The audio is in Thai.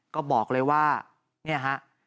ก็บอกเลยว่าเนี่ยฮะ